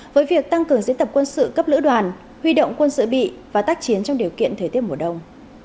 với việc tăng cường diễn tập quân sự cấp lữ đoàn huy động quân sự bị và tác chiến trong điều kiện thời tiết mùa đông